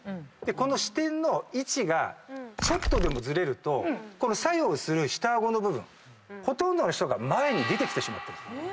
この支点の位置がちょっとでもズレると作用する下顎の部分ほとんどの人が前に出てきてしまっているんです。